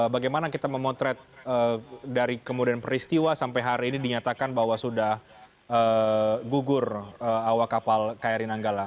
bagaimana kita memotret dari kemudian peristiwa sampai hari ini dinyatakan bahwa sudah gugur awak kapal kri nanggala